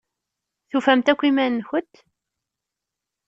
Tufamt akk iman-nkent?